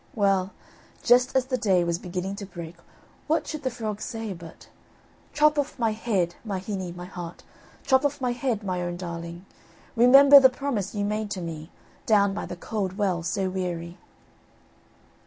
Well, just as the day was beginning to break what should the frog say but: "Chop off my head, my hinny, my heart, Chop off my head, my own darling; Remember the promise you made to me, Down by the cold well so weary."